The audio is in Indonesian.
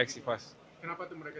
rivalnya itu se staatsver qian